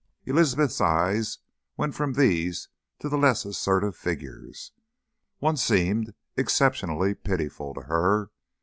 Elizabeth's eyes went from these to the less assertive figures. One seemed exceptionally pitiful to her.